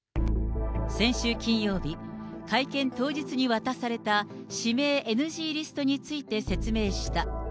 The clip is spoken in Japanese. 先週金曜日、会見当日に渡された指名ＮＧリストについて説明